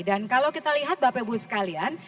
dan kalau kita lihat bapak ibu sekalian